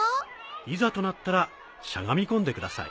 いざとなったらしゃがみ込んでください。